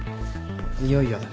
いよいよだね。